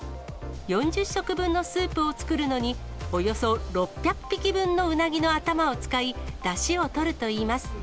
４０食分のスープを作るのに、およそ６００匹分のうなぎの頭を使い、だしをとるといいます。